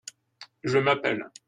Je m'appelle…